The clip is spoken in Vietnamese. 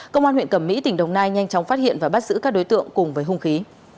công an huyện cẩm mỹ tỉnh đồng nai nhanh chóng phát hiện và bắt giữ các đối tượng cùng với hung khí